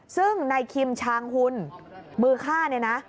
ซึ่งนายคิมชางหุ่นมือฆ่าเนี่ยนะ